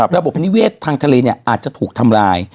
ระบบนิเวศทางทะเลเนี่ยอาจจะถูกทำลาย